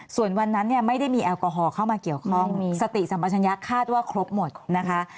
ส่วนวันนั้นเนี่ยไม่ได้มีแอลกอฮอลเข้ามาเกี่ยวข้องมีสติสัมปัชญะคาดว่าครบหมดนะคะ